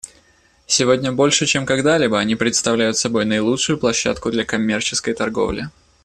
Сегодня больше, чем когда-либо, они представляют собой наилучшую площадку для коммерческой торговли.